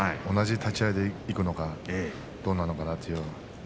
同じ立ち合いでいくのかどうなのか。